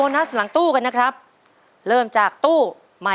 ออกแล้วครับ๑ดอกนะฮะ